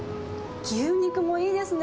牛肉もいいですね。